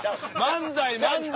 漫才漫才！